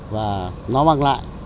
và nó mang lượng điện